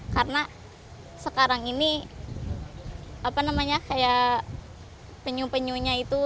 karena sekarang ini apa namanya kayak penyung penyungnya itu